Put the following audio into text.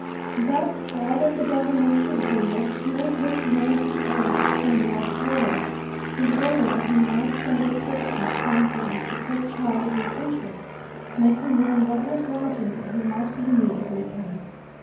Thus, all that the government could do, was to make this known to the owner, Señor Flores, in order that he might send a person of confidence to take charge of his interests, making known what was wanting, that he might be immediately paid.